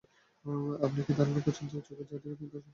আপনি কী ধারণা করছেন যে, চোখে যা দেখছেন তা সত্য না-ও হতে পারে?